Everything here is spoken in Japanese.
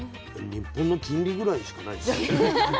日本の金利ぐらいしかないですね。